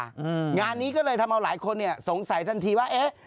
อืมงานนี้ก็เลยทำเอาหลายคนเนี้ยสงสัยทันทีว่าเอ๊ะ